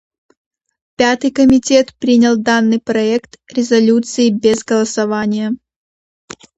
Пятый комитет принял данный проект резолюции без голосования.